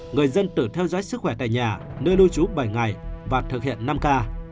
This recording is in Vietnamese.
người dân tự theo dõi sức khỏe tại nhà nơi lưu trú bảy ngày và thực hiện năm k